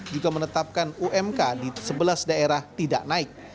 juga menetapkan umk di sebelas daerah tidak naik